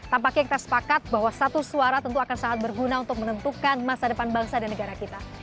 tampaknya kita sepakat bahwa satu suara tentu akan sangat berguna untuk menentukan masa depan bangsa dan negara kita